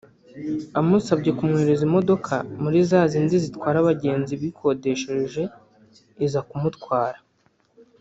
amusabye kumwoherereza imodoka (muri za zindi zitwara abagenzi bikodeshereje) iza kumutwara